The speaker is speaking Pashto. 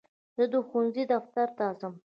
زه د ښوونځي دفتر ته ځم.